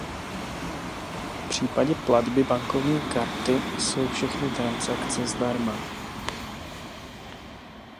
V případě platby bankovní karty jsou všechny transakce zdarma.